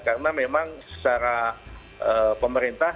karena memang secara pemerintah